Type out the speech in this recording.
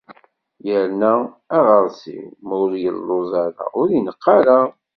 Yerna, aɣeṛsiw, ma ur yelluẓ ara, ur ineqq ara.